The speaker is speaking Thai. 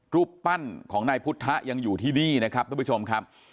รูปปั้นของนายพุทธะยังอยู่ที่นี่นะครับทุกผู้ชมครับ